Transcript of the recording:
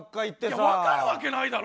いや分かるわけないだろ！